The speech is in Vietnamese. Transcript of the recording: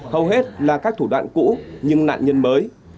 hầu hết là các thủ đoạn cũ nhưng nạn nhân mới